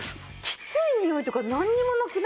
きついにおいとかなんにもなくない？